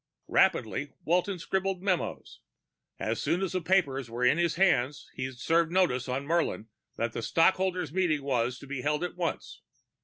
Rapidly Walton scribbled memos. As soon as the papers were in his hands, he'd serve notice on Murlin that a stock holders' meeting was to be held at once.